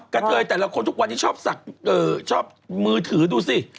กันเลยแต่ละคนทุกวันนี้ชอบสักชอบมือถือดูสิ